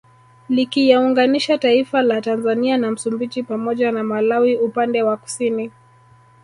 Likiyaunganisha taifa la Tanzania na Msumbiji pamoja na Malawi upande wa Kusini